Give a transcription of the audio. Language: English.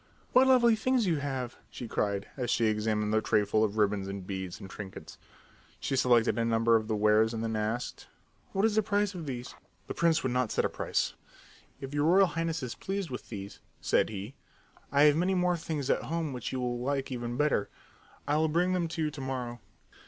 "What lovely things you have!" she cried as she examined the tray full of ribbons and beads and trinkets. She selected a number of the wares and then she asked, "What is the price of these?" The prince would not set a price. "If your Royal Highness is pleased with these," said he, "I have many more things at home which you will like even better. I'll bring them to you to morrow."